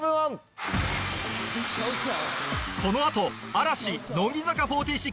この後嵐乃木坂４６